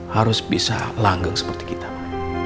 harus bisa langgeng seperti kita mbak